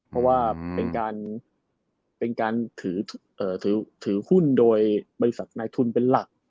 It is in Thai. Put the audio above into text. เพราะว่าเป็นการถือหุ้นโดยบริษัทนายทุนเป็นหลัก